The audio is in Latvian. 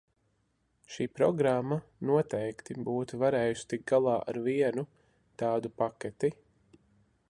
Šī programma noteikti būtu varējusi tikt galā ar vienu tādu paketi.